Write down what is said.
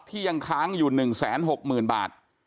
ยังค้างอยู่๑๖๐๐๐บาท